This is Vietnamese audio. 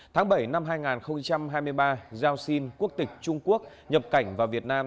tháng bảy năm hai nghìn hai mươi ba giao sinh quốc tịch trung quốc nhập cảnh vào việt nam